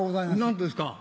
何ですか？